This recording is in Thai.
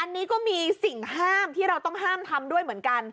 อันนี้ก็มีสิ่งห้ามที่เราต้องห้ามทำด้วยเหมือนกัน